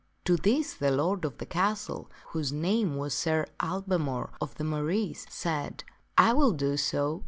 To this the lord of the castle (whose name was Sir Ablamor of the Marise) said, " I will do so."